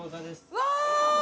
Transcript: うわ！